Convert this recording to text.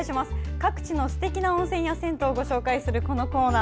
各地のすてきな温泉や銭湯をご紹介するこのコーナー。